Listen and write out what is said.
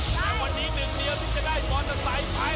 แต่วันนี้หนึ่งเดียวที่จะได้มอเตอร์ไซค์ไป